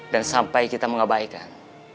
dan sampai kita mengabaikan